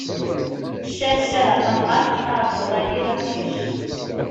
Ccah ccah a tamɣart, aɛebbuḍ-agi d aqcic.